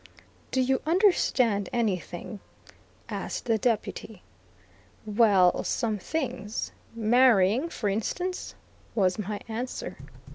"Do you understand anything?" asked the Deputy. "Well, some things, marrying for instance," was my answer.